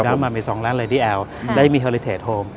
มีร้ำมันมี๒ล้านรายดีแอลได้มีเฮอริเทศโฮม